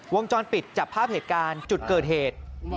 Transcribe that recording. วงจรปิดจับภาพเหตุการณ์จุดเกิดเหตุ